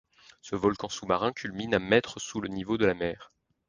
Ce volcan sous-marin culmine à mètres sous le niveau de la mer.